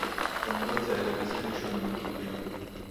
Kiongozi alikasirishwa na matokeo.